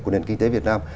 của nền kinh tế việt nam